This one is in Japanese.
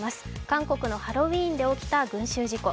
韓国のハロウィーンで起きた群集事故。